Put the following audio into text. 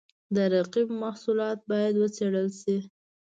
د رقیب محصولات باید وڅېړل شي.